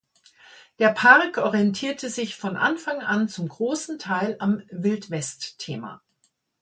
Der Park orientierte sich von Anfang an zum großen Teil am Wild-West-Thema.